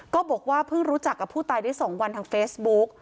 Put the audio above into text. บอกว่าเพิ่งรู้จักกับผู้ตายได้๒วันทางเฟซบุ๊ก